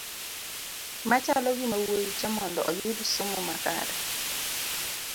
machalo gi mawuoyi cha mondo oyud somo makare